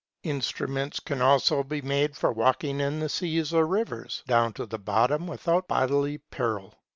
Instruments can also be made for walking in the sea or rivers, down to the bottom, without bodily peril.